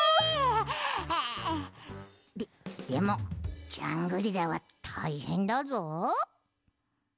ででもジャングリラはたいへんだぞ。